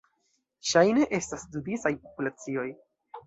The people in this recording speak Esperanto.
Ŝajne estas du disaj populacioj.